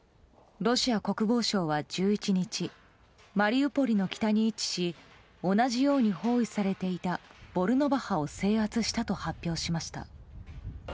ロシア国防省は１１日マリウポリの北に位置し同じように包囲されていたボルノバハを制圧したと発表しました。